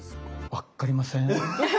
わっかりません。